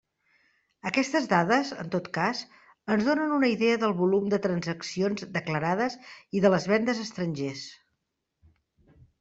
Aquestes dades, en tot cas, ens donen una idea del volum de transaccions declarades i de les vendes a estrangers.